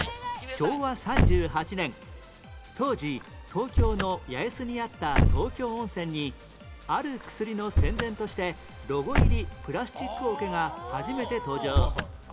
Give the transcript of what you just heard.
昭和３８年当時東京の八重洲にあった東京温泉にある薬の宣伝としてロゴ入りプラスチック桶が初めて登場